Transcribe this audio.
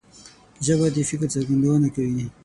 ژبه د فکر څرګندونه کوي